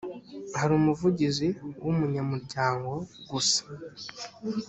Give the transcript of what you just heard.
hari umuvugizi wumunyamuryango gusa.